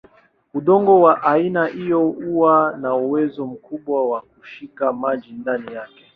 Udongo wa aina hiyo huwa na uwezo mkubwa wa kushika maji ndani yake.